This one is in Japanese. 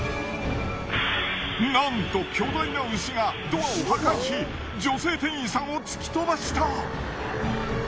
なんと巨大な牛がドアを破壊し女性店員さんを突き飛ばした。